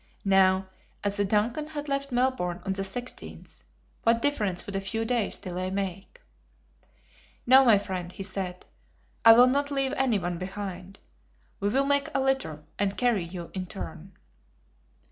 Now, as the DUNCAN had left Melbourne on the 16th, what difference would a few days' delay make? "No, my friend," he said, "I will not leave anyone behind. We will make a litter and carry you in turn."